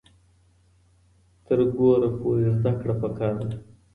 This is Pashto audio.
تر ګوره پورې زده کړه پکار ده.